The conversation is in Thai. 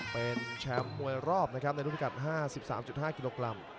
เป็นแชมป์มวยรอบนะครับในรุ่นพิกัด๕๓๕กิโลกรัม